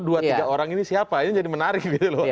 dua tiga orang ini siapa ini jadi menarik